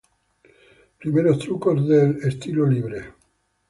Primeros trucos del freestyle.